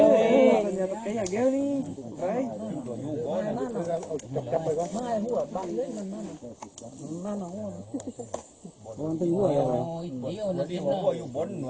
นางนั่นอ่ะมานั่น